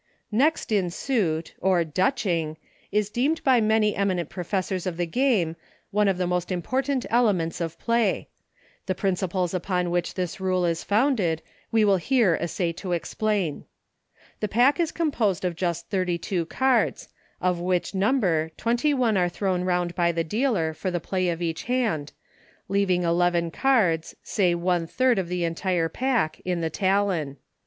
Next In Suit, or Dutching, is deemed by many eminent professors of the game one of the most important elements of play ; the principles upon which this rule is founded we will here essay to explain. The pack is composed of just thirty two cards, of which number twenty one are thrown round by the HINTS TO TYROS. 115 dealer for the play of each hand, leaving eleven cards, say one third of the entire pack, in the talon.